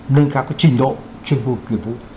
nêu cao cái trình độ chuyên vụ